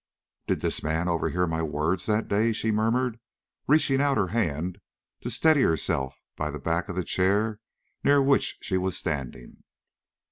"Did this man overhear my words that day?" she murmured, reaching out her hand to steady herself by the back of the chair near which she was standing.